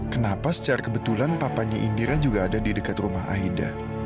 kenapa secara kebetulan papanya indira juga ada di dekat rumah aida